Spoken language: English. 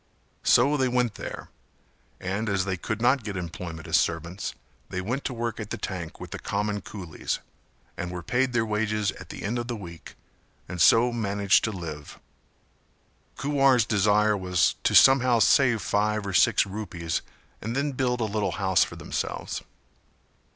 So they went there, and as they could not get employment as servants they went to work at the tank with the common coolies and were paid their wages at the end of the week and so managed to live. Kuwar's desire was to somehow save five or six rupees and then build a little house for themselves.